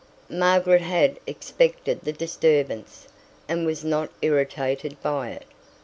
Margaret had expected the disturbance, and was not irritated by it.